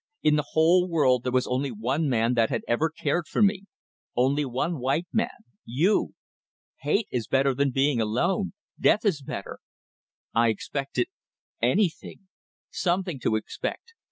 In the whole world there was only one man that had ever cared for me. Only one white man. You! Hate is better than being alone! Death is better! I expected ... anything. Something to expect.